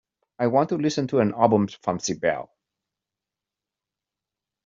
I want to listen to an album from Sibel.